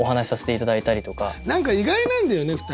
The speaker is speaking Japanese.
何か意外なんだよね２人。